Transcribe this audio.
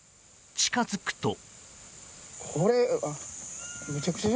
近づくと。